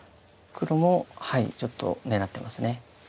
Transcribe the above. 黒もちょっと狙ってます。